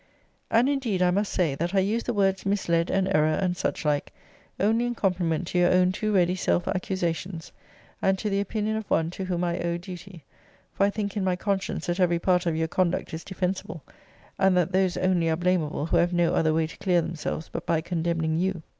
And indeed I must say that I use the words misled, and error, and such like, only in compliment to your own too ready self accusations, and to the opinion of one to whom I owe duty: for I think in my conscience, that every part of your conduct is defensible: and that those only are blamable who have no other way to clear themselves but by condemning you.